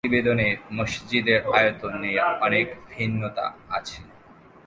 প্রতিবেদনে মসজিদের আয়তন নিয়ে অনেক ভিন্নতা আছে।